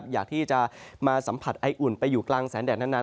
อยากที่จะมาสัมผัสไออุ่นไปอยู่กลางแสนแดดนาน